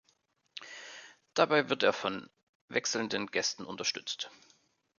Dabei wird er von wechselnden Gästen unterstützt.